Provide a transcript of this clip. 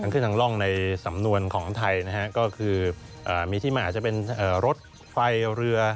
ขึ้นทางร่องในสำนวนของไทยนะฮะก็คือมีที่มาอาจจะเป็นรถไฟเรือ